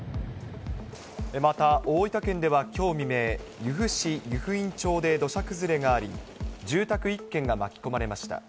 また、大分県ではきょう未明、由布市湯布院町で土砂崩れがあり、住宅１軒が巻き込まれました。